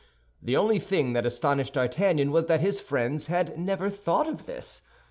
The only thing that astonished D'Artagnan was that his friends had never thought of this.